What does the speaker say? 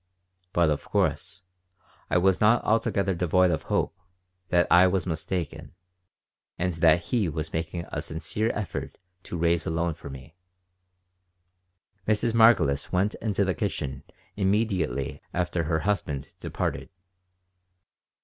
But, of course, I was not altogether devoid of hope that I was mistaken and that he was making a sincere effort to raise a loan for me Mrs. Margolis went into the kitchen immediately her husband departed.